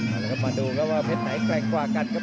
แล้วมาดูครับเพชรไหนแข็งกว่ากันครับ